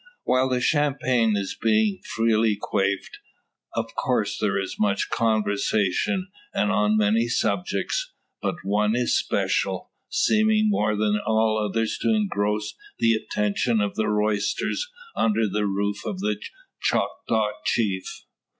While the champagne is being freely quaffed, of course there is much conversation, and on many subjects. But one is special; seeming more than all others to engross the attention of the roysterers under the roof of the Choctaw Chief.